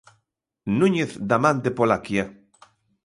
Núñez, da man de Polaqia.